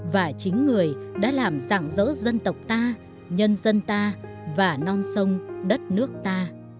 và chính người đã làm dạng dỡ dân tộc ta nhân dân ta và non sông đất nước ta